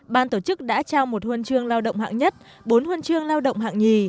ban tổ chức đã trao một huân trường lao động hạng nhất bốn huân trường lao động hạng nhì